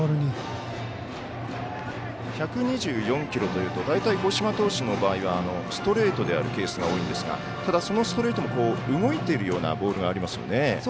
１２４キロというと大体、五島投手の場合はストレートであるケースが多いですがそのストレートも動いているようなボールがありますよね。